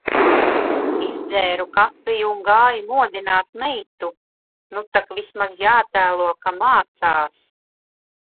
Izdzēru kafiju un gāju modināt meitu. Nu tak vismaz jātēlo, ka mācās.